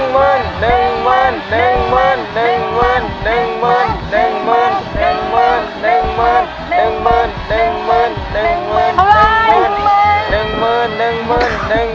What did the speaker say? ๑เมือง๑เมือง